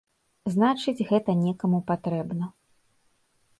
Значыць, гэта некаму патрэбна.